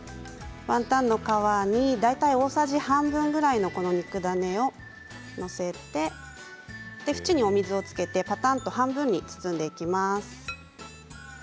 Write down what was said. ワンタンの皮に大体大さじ半分ぐらいの肉ダネを載せて縁にお水をつけて、ぱたんと半分に包んでいきます。